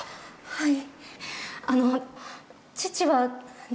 はい。